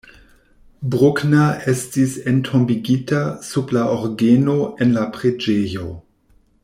Bruckner estis entombigita sub la orgeno en la preĝejo.